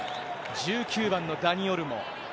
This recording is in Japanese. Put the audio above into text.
１９番のダニ・オルモ。